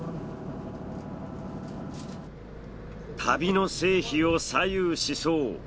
旅の成否を左右しそう。